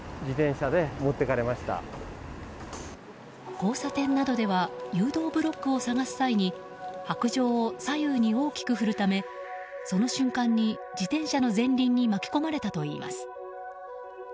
交差点などでは誘導ブロックを探す際に白杖を左右に大きく振るためその瞬間に自転車の前輪に巻き込まれたといいます。